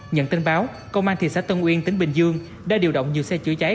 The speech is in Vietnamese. nhận tin báo công an thị xã tân uyên tỉnh bình dương đã điều động nhiều xe chữa cháy